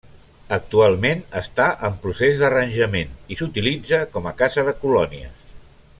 Actualment està en procés d'arranjament i s'utilitza com a casa de colònies.